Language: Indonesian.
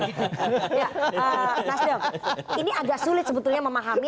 ya nasdem ini agak sulit sebetulnya memahami